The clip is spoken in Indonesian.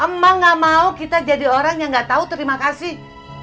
emang gak mau kita jadi orang yang gak tahu terima kasih